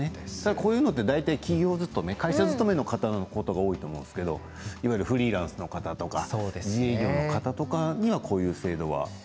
こういうのって大体企業勤め会社勤めの方が多いと思いますけど、いわゆるフリーランスの方とか自営業の方とかにはこういう制度は。